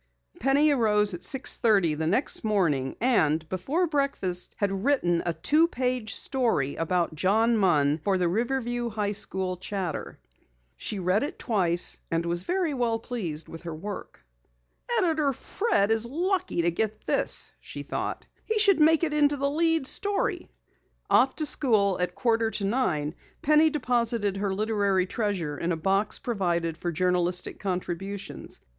Penny arose at six thirty the next morning, and before breakfast had written a two page story about John Munn for the Riverview High School Chatter. She read it twice and was very well pleased with her work. "Editor Fred is lucky to get this," she thought. "He should make it the lead story." Off to school at a quarter to nine, Penny deposited her literary treasure in a box provided for journalistic contributions.